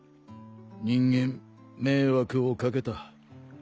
人間迷惑を掛けた。